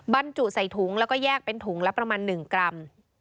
บรรจุใส่ถุงแล้วก็แยกเป็นถุงละประมาณ๑กรัม